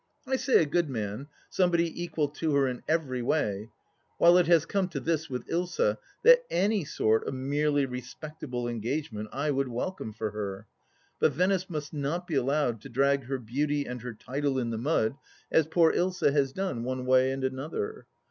I say a good man, somebody equal to her in every way ; while it has come to this with Ilsa, that any sort of merely respectable engagement I would welcome for her. But Venice must not be allowed to drag her beauty and her title in the mud as poor Ilsa has done one way and another.